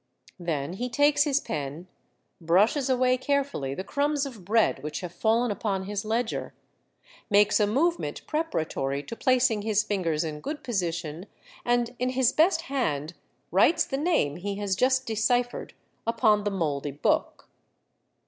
Then he takes his pen, brushes away carefully the crumbs of bread which have fallen upon his ledger, makes a movement preparatory to placing his fingers in good position, and in his best hand writes the name he has just deciphered upon the mouldy book.